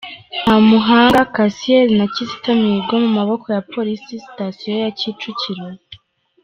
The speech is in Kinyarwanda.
Ntamuhanga Cassier na Kizito Mihigo mu maboko ya Polisi Sitatiyo ya Kicukiro